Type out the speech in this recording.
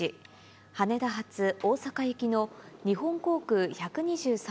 羽田発大阪行きの日本航空１２３